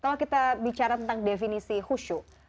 kalau kita bicara tentang definisi khusyuk